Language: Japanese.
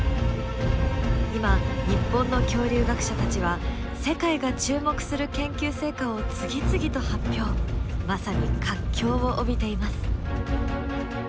今日本の恐竜学者たちは世界が注目する研究成果を次々と発表まさに活況を帯びています。